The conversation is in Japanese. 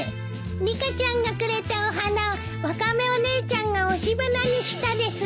リカちゃんがくれたお花をワカメお姉ちゃんが押し花にしたです。